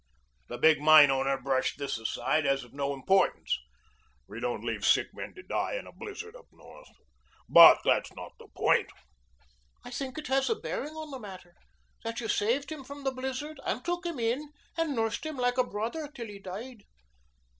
The big mine owner brushed this aside as of no importance. "We don't leave sick men to die in a blizzard up North. But that's not the point." "I think it has a bearing on the matter that you saved him from the blizzard and took him in and nursed him like a brother till he died."